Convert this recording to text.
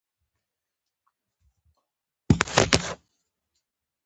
دا د مصطفی ملکیان په تعبیر ځانګړی نوم لري.